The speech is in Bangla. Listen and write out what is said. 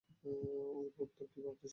ঐ পুত্তর, কি ভাবতেছিস?